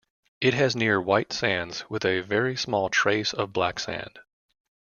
It has near white sands with a very small trace of black sand.